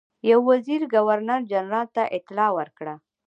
یو وزیر ګورنر جنرال ته اطلاع ورکړه.